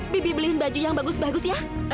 bibi beliin baju yang bagus bagus ya